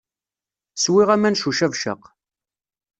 Swiɣ aman s ucabcaq.